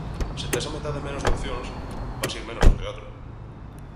Se tes a metade menos de opcións, vas ir menos ao teatro.